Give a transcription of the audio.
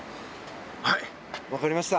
はい、わかりました。